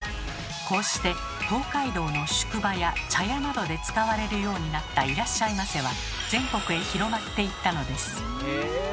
こうして東海道の宿場や茶屋などで使われるようになった「いらっしゃいませ」は全国へ広まっていったのです。